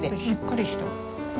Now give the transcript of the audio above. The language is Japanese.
しっかりした。